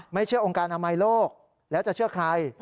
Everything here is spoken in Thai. เชื่อองค์การอนามัยโลกแล้วจะเชื่อใคร